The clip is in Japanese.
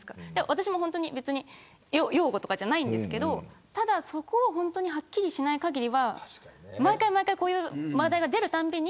私も別に擁護とかじゃないですけどそこをはっきりしない限りは毎回こういう話題が出るたびに。